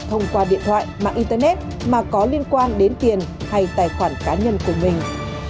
thông qua điện thoại mạng internet mà có liên quan đến tiền hay tài khoản cá nhân của mình